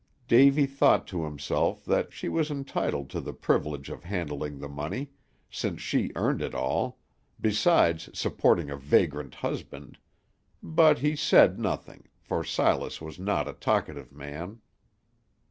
Davy thought to himself that she was entitled to the privilege of handling the money, since she earned it all, besides supporting a vagrant husband; but he said nothing, for Silas was not a talkative man.